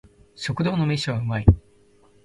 食堂の飯は美味い